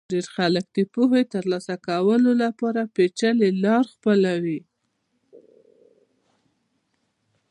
ډېر خلک د پوهې ترلاسه کولو لپاره پېچلې لار خپلوي.